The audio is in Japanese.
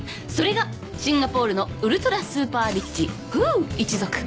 それがシンガポールのウルトラスーパーリッチフウ一族。